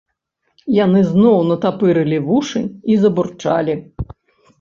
Яны зноў натапырылі вушы і забурчалі.